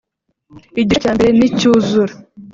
Igice cya mbere nicyuzura